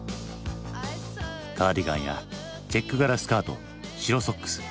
カーディガンやチェック柄スカート白ソックス。